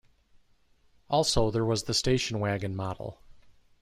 Also there was the station wagon model.